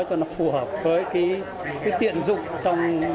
cho nó phù hợp với cái tiện dụng